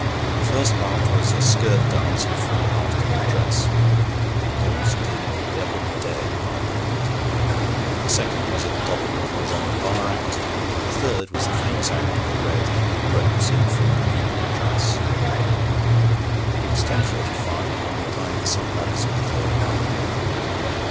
The first part was a skirt dance in full afternoon dress (danse de modernité, I called it); the second was a double horizontal bar act; the third was the famous act of the red and the blue ropes, in full evening dress. It was 10.45 when we climbed the silk ladders for the third part.